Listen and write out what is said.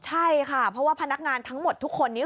ใช่ค่ะเพราะว่าพนักงานทั้งหมดทุกคนนี้